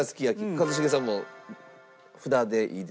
一茂さんも札でいいですか？